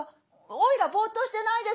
おいらボーッとしてないです」。